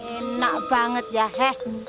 enaq banget ya he